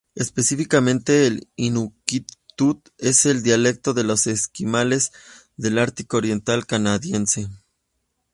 Específicamente, el "inuktitut" es el dialecto de los esquimales del Ártico oriental canadiense.